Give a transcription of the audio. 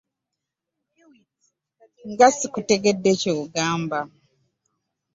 Nga sikutegedde kyogambye.